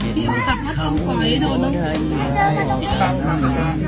เห็นหัวข้ำไว้โดนใดหัวข้าง